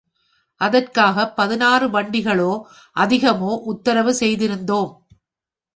அதற்காக பதினாறு வண்டிகளோ அதிகமோ, உத்தரவு செய்திருந்தோம்.